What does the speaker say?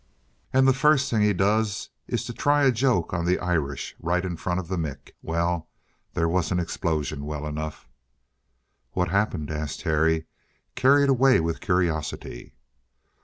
"And the first thing he does is to try a joke on the Irish right in front of the Mick. Well, there was an explosion, well enough." "What happened?" asked Terry, carried away with curiosity.